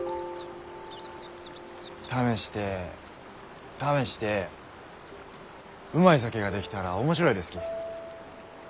試して試してうまい酒が出来たら面白いですき。